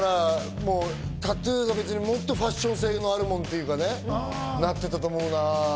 タトゥーがもっとファッション性のあるものになってたと思うな。